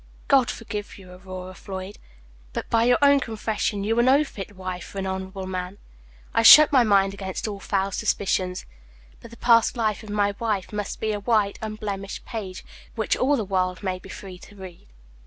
God forgive you, Aurora Floyd; but, by your own confession, you are no fit wife for an honorable man. I shut my mind against all foul suspicions; but the past life of my wife must be a white, unblemished page, which all the world may be free to read."